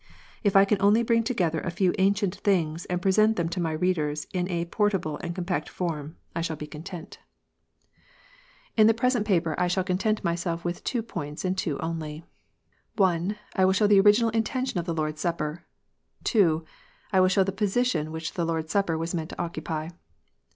If I can only bring together a few ancient things, and present them to my readers in a portable and compact form, I shall be content. 163 164 KNOTS UNTIED. In the present paper I shall content myself with two points, and two only. I. / will show the original intention of the Lord s Supper, II. / will show the position which the Lord s Supper was meant to occupy.